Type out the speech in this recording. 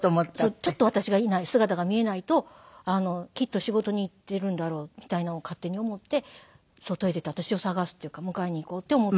ちょっと私がいない姿が見えないときっと仕事に行っているんだろうみたいなのを勝手に思って外へ出て私を捜すっていうか迎えに行こうって思って。